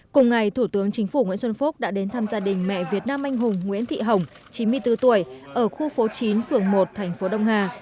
cùng ngày thủ tướng chính phủ nguyễn xuân phúc đã đến thăm gia đình mẹ việt nam anh hùng nguyễn thị hồng chín mươi bốn tuổi ở khu phố chín phường một thành phố đông hà